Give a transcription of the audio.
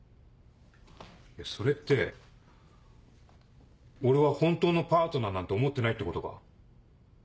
それって俺は本当のパートナーなんて思ってないってことか？